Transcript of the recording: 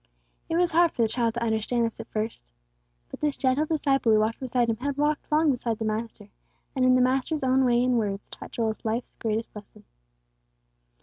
It was hard for the child to understand this at first; but this gentle disciple who walked beside him had walked long beside the Master, and in the Master's own way and words taught Joel life's greatest lesson.